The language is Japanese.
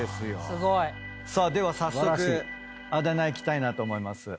すごい。さあでは早速あだ名いきたいなと思います。